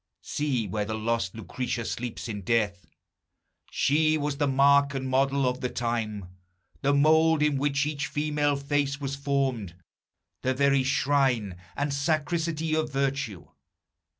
See where the lost Lucretia sleeps in death! She was the mark and model of the time, The mould in which each female face was formed, The very shrine and sacristy of virtue!